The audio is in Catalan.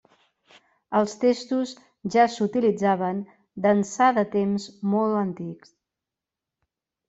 Els testos ja s'utilitzaven d'ençà de temps molt antics.